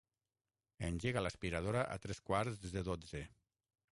Engega l'aspiradora a tres quarts de dotze.